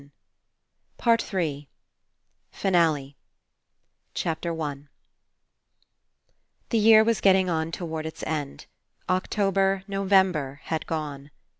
149 PART THREE FINALE ONE X HE YEAR was getting on towards its end. October, November had gone.